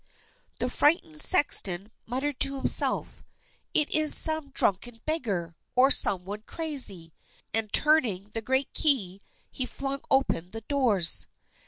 The frightened sexton muttered to himself: "It is some drunken beggar, or some one crazy;" and, turning the great key, he flung open the doors.